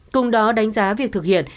cùng đó đánh giá việc thực hiện